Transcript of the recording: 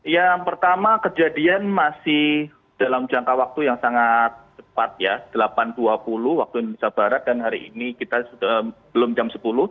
yang pertama kejadian masih dalam jangka waktu yang sangat cepat ya delapan dua puluh waktu indonesia barat dan hari ini kita belum jam sepuluh